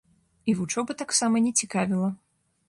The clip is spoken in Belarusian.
І вучоба таксама не цікавіла.